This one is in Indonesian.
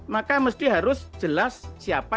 maka mesti harus jelas siapa